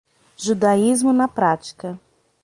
Judaísmo na prática